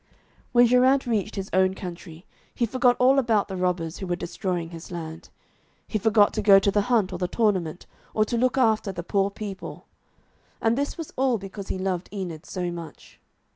When Geraint reached his own country, he forgot all about the robbers, who were destroying his land. He forgot to go to the hunt, or the tournament, or to look after the poor people. And this was all because he loved Enid so much.